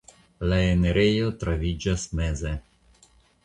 La enirejo troviĝas meze.